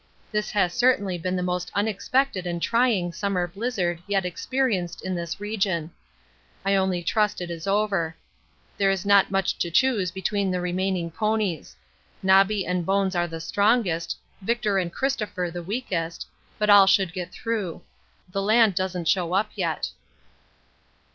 This has certainly been the most unexpected and trying summer blizzard yet experienced in this region. I only trust it is over. There is not much to choose between the remaining ponies. Nobby and Bones are the strongest, Victor and Christopher the weakest, but all should get through. The land doesn't show up yet.